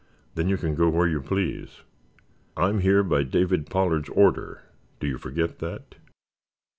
Then you can go where you please." "I'm here by David Pollard's order. Do you forget that?"